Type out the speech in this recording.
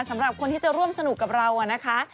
สำหรับคนที่จะร่วมสนุกกับเรานะคะ